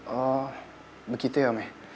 oh begitu ya me